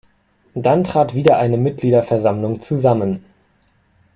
Dann trat wieder eine Mitgliederversammlung zusammen.